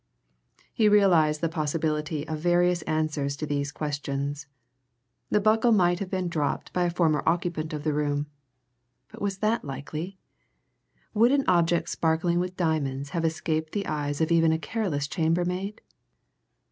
He realized the possibility of various answers to these questions. The buckle might have been dropped by a former occupant of the room. But was that likely? Would an object sparkling with diamonds have escaped the eyes of even a careless chambermaid?